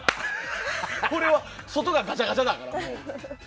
俺は外がガチャガチャだから。